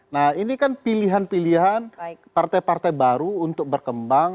nah ini kan pilihan pilihan partai partai baru untuk berkembang